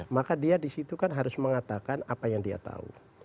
maka dia disitu kan harus mengatakan apa yang dia tahu